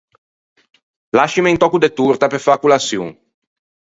Lascime un tòcco de torta pe fâ colaçion.